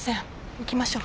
行きましょう。